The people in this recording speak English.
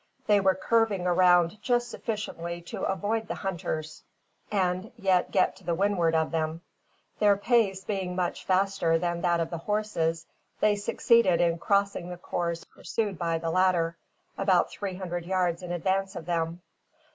They were curving around just sufficiently to avoid the hunters, and yet get to the windward of them. Their pace being much faster than that of the horses, they succeeded in crossing the course pursued by the latter, about three hundred yards in advance of them.